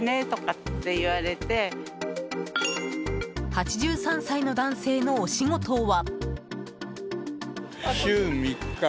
８３歳の男性のお仕事は。